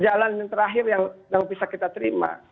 jalan yang terakhir yang bisa kita terima